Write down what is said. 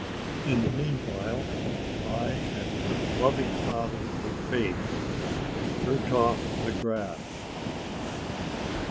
In the meanwhile I am your loving father in faith, "Urtagh McGrath."